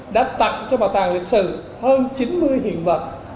đã tặng cho bảo tàng lịch sử hơn chín mươi hiện vật